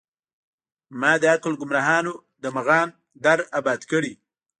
مــــــــا د عـــــــقل ګــــمراهانو د مغان در اباد کړی